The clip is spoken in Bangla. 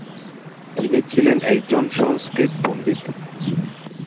তিনি ছিলেন একজন সংস্কৃত পণ্ডিত।